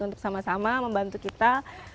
untuk sama sama membantu kita